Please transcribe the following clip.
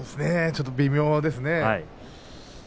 ちょっと微妙ですね。